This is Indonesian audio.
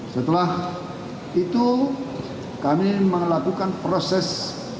setelah itu kami melakukan proses